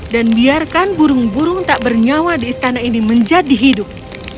dan biarkan burung burung tak bernyawa di istana ini menjadi hidup